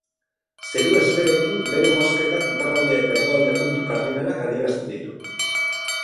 Zeru-esferarekin bere mozketak, iparralde eta hegoalde puntu kardinalak adierazten ditu.